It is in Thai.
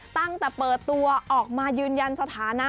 ตั้งแต่เปิดตัวออกมายืนยันสถานะ